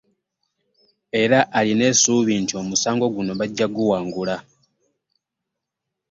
Era alina essuubi nti omusango guno bajja kuguwangula